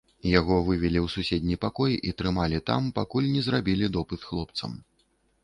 Яго вывелі ў суседні пакой і трымалі там, пакуль не зрабілі допыт хлопцам.